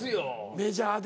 メジャーで。